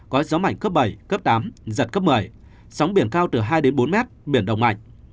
có gió mạnh cấp bảy cấp tám giật cấp một mươi sóng biển cao từ hai đến bốn mét biển động mạnh